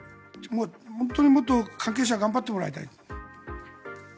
本当にもっと関係者は頑張ってもらいたい。